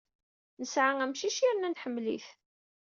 Nesɛa amcic yerna nḥemmel-it.